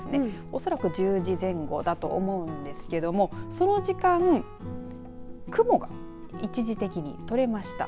おそらく１０時前後だと思うんですけどもその時間雲が一時的に取れました。